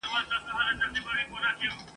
لکه نه وي پر کښتۍ توپان راغلی ..